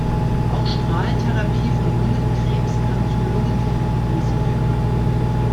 Auch Strahlentherapie von Lungenkrebs kann zur Lungenfibrose führen.